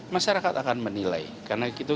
masyarakat akan menilai karena itu